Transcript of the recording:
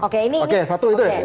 oke satu itu ya